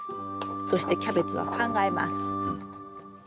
そしてキャベツは考えます。